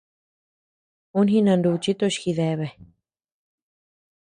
Un jinanuchi toch gideabe.